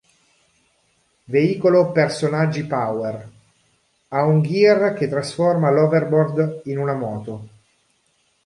Veicolo personaggi "Power": ha un Gear che trasforma l'Overboard in una moto.